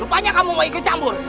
rupanya kamu gak ikut campur